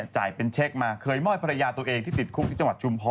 จ่ายเป็นเช็คมาเคยมอบภรรยาตัวเองที่ติดคุกที่จังหวัดชุมพร